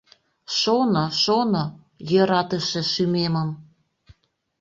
Шоно, шоно: йӧратыше шӱмемым